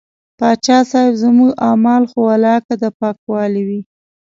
پاچا صاحب زموږ اعمال خو ولاکه د پاکوالي وي.